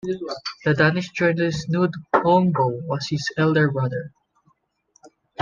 The Danish journalist Knud Holmboe was his elder brother.